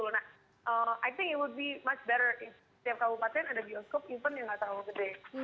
nah i think it would be much better if setiap kabupaten ada bioskop even yang nggak terlalu gede